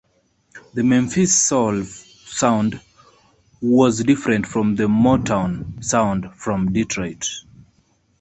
The Memphis soul sound was different from the Motown sound from Detroit.